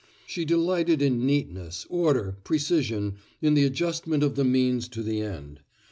She delighted in neatness, order, precision, in the adjustment of the means to the end.